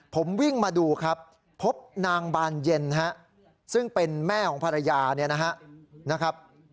ผมวิ่งมาดูครับพบนางบานเย็นฮะซึ่งเป็นแม่ของภรรยาเนี่ยนะครับ